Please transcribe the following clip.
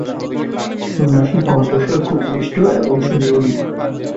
সন্ন্যাসীর কণ্ঠস্বর খুব মিষ্ট এবং সুনিয়মিত।